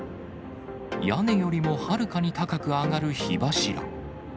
屋根よりもはるかに高く上がる火柱。